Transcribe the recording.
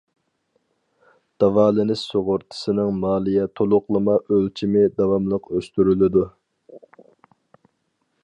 داۋالىنىش سۇغۇرتىسىنىڭ مالىيە تولۇقلىما ئۆلچىمى داۋاملىق ئۆستۈرۈلىدۇ.